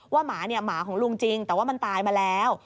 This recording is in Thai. หมาเนี่ยหมาของลุงจริงแต่ว่ามันตายมาแล้ว